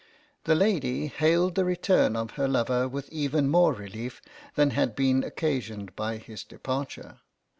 The lady hailed the return of her lover with even more relief than had been occa sioned by his departure.